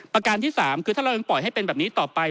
ประการที่๓คือถ้าเรายังปล่อยให้เป็นแบบนี้ต่อไป